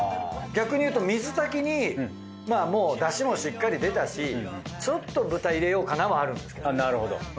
逆に言うと水炊きにまあもうだしもしっかり出たしちょっと豚入れようかなはあるんですけど。